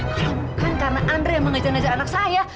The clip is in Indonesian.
kalau bukan karena andre yang mengajak ajak anak saya